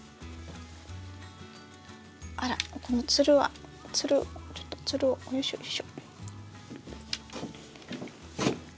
あらこのツルはツルちょっとツルをよいしょよいしょ。